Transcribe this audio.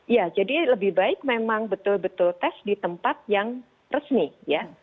ya jadi lebih baik memang betul betul tes di tempat yang resmi ya